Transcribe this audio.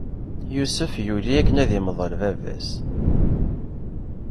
Yusef yuli akken ad imḍel baba-s.